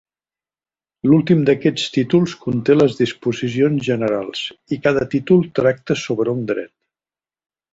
L'últim d'aquests títols conté les disposicions generals i cada títol tracta sobre un dret.